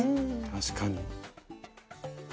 確かに。